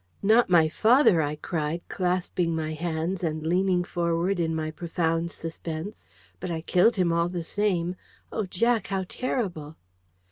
"Not my father!" I cried, clasping my hands and leaning forward in my profound suspense. "But I killed him all the same! Oh, Jack, how terrible!"